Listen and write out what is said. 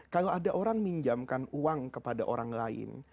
kalau ada orang minjamkan uang kepada orang lain